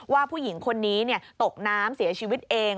ว่าผู้หญิงคนนี้ตกน้ำเสียชีวิตเอง